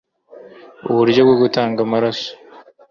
uburyo bwo gutanga amaraso